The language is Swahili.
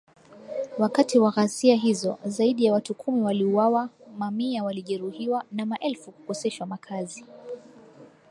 Wakati wa ghasia hizo, zaidi ya watu kumi waliuawa, mamia walijeruhiwa na maelfu kukoseshwa makazi.